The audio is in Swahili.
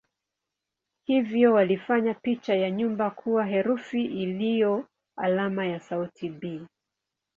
Hivyo walifanya picha ya nyumba kuwa herufi iliyo alama ya sauti "b".